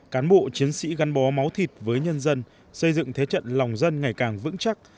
cán bộ chiến sĩ gắn bó máu thịt với nhân dân xây dựng thế trận lòng dân ngày càng vững chắc